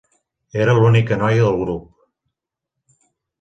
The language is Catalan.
Era l’única noia del grup.